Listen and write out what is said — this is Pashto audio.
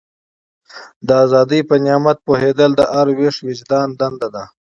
د ازادۍ په نعمت پوهېدل د هر ویښ وجدان دنده ده.